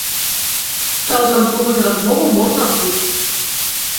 Цалкам слухаць размову можна тут.